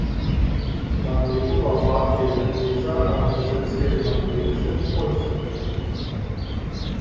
Daneben war Bad Bederkesa auch der Sitz der Evangelischen Volkshochschule.